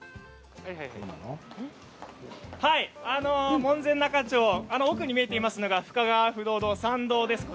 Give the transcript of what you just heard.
門前仲町、奥に見えているのが深川不動堂の参道です。